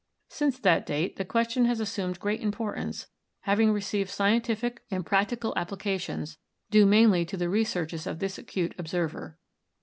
Since that date the question has assumed great import ance, having received scientific and practical applications, due mainly to the researches of this acute observer.